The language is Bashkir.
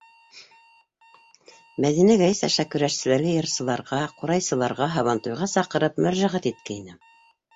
Мәҙинә гәзит аша көрәшселәргә, йырсыларға, ҡурайсыларға һабантуйға саҡырып мөрәжәғәт иткәйне.